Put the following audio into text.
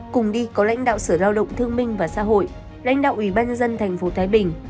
cùng đi có lãnh đạo sở lao động thương minh và xã hội lãnh đạo ủy ban nhân dân tp thái bình